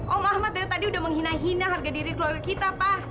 oh ahmad dari tadi udah menghina hina harga diri keluarga kita pak